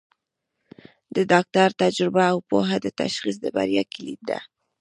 د ډاکټر تجربه او پوهه د تشخیص د بریا کلید ده.